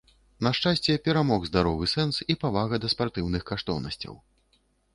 На шчасце, перамог здаровы сэнс і павага да спартыўных каштоўнасцяў.